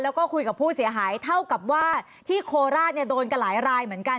แล้วก็คุยกับผู้เสียหายเท่ากับว่าที่โคราชเนี่ยโดนกันหลายรายเหมือนกัน